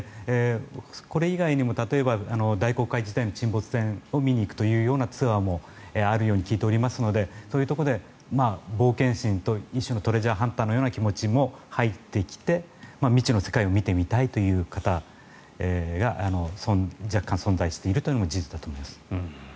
これ以外にも例えば大航海時代の沈没船を見に行くというようなツアーもあるように聞いていますのでそういうところで、冒険心と一種のトレジャーハンターのような気持ちも入ってきて、未知の世界を見てみたいという方が若干存在しているのも事実だと思います。